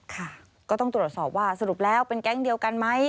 ค่ะก็ต้องตรวจสอบว่าสรุปแล้วเป็นแก๊งเดียวกันไหม